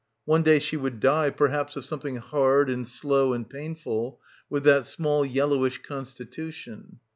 One day she would die, per haps of something hard and slow and painful with that small yellowish constitution.